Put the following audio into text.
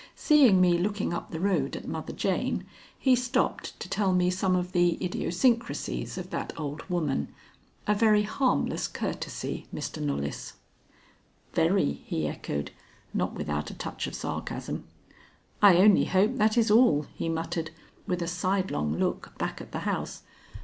"Seeing me looking up the road at Mother Jane, he stopped to tell me some of the idiosyncrasies of that old woman. A very harmless courtesy, Mr. Knollys." "Very," he echoed, not without a touch of sarcasm. "I only hope that is all," he muttered, with a sidelong look back at the house.